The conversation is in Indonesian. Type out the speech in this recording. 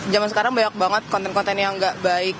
zaman sekarang banyak banget konten konten yang gak baik